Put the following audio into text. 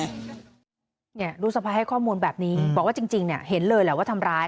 ลูกสะพายให้ข้อมูลแบบนี้บอกว่าจริงเนี่ยเห็นเลยแหละว่าทำร้าย